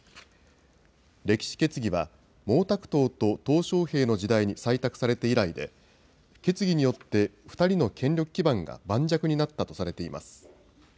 歴史決議は、毛沢東ととう小平の時代に採択されて以来で、決議によって、２人の権力基盤が盤石になったとされています。